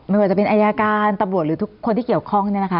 ไม่ว่าจะเป็นอายาการตำรวจหรือทุกคนที่เกี่ยวข้อง